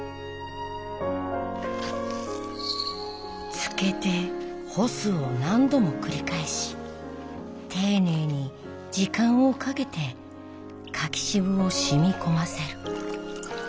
つけて干すを何度も繰り返し丁寧に時間をかけて柿渋をしみ込ませる。